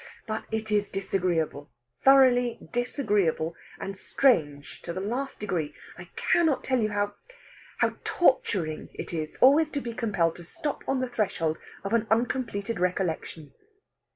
But it is disagreeable thoroughly disagreeable and strange to the last degree. I cannot tell you how how torturing it is, always to be compelled to stop on the threshold of an uncompleted recollection."